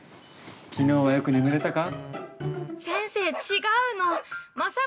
きのうはよく眠れたか。